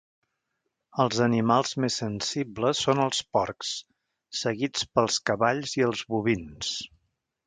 Els animals més sensibles són els porcs, seguits pels cavalls i els bovins.